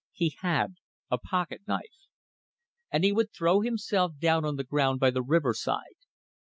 He had a pocket knife. And he would throw himself down on the ground by the riverside.